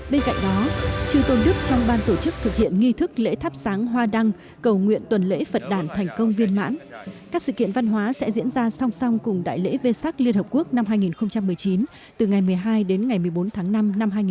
bên cạnh đó chư tôn đức trong ban tổ chức thực hiện nghi thức lễ thắp sáng hoa đăng cầu nguyện tuần lễ phật đàn thành công viên mãn các sự kiện văn hóa sẽ diễn ra song song cùng đại lễ vê sắc liên hợp quốc năm hai nghìn một mươi chín từ ngày một mươi hai đến ngày một mươi bốn tháng năm năm hai nghìn một mươi chín